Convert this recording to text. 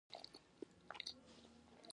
د پلار په مال کې شفيق ته يو جرېب ځمکه ورسېده.